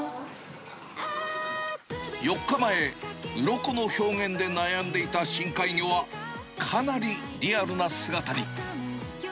４日前、うろこの表現で悩んでいた深海魚は、かなりリアルな姿に。